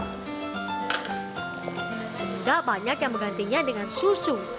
tidak banyak yang menggantinya dengan susu